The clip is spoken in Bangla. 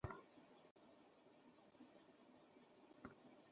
তারপর মালাকুল মউত মহান আল্লাহর নিকট এসে বলবেন, হে আমার প্রতিপালক!